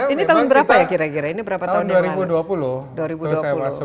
ini tahun berapa ya kira kira ini berapa tahun yang lalu